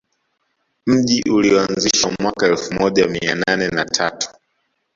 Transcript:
Mji ulioanzishwa mwaka elfu moja mia nane na tatu